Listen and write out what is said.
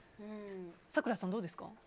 咲楽さん、どうですか。